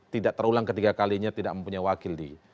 tidak terulang ketiga kalinya tidak mempunyai wakil di